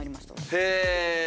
へえ。